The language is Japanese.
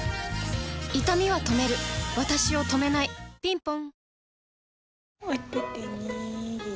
いたみは止めるわたしを止めないぴんぽん